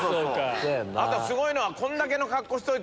あとすごいのは。